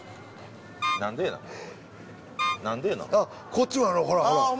△こっちもあるほらほら。